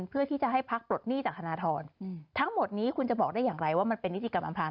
เพื่อที่จะให้พักปลดหนี้จากธนทรทั้งหมดนี้คุณจะบอกได้อย่างไรว่ามันเป็นนิติกรรมอำพลาง